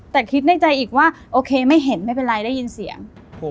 แต่คิดในใจอีกว่าโอเคไม่เห็นไม่เป็นไรได้ยินเสียง